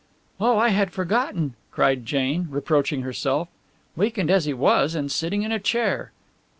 "Oh, I had forgotten!" cried Jane, reproaching herself. Weakened as he was, and sitting in a chair!